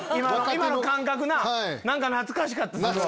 今の感覚な何か懐かしかった。